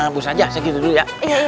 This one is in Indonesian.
hembus aja segitu dulu ya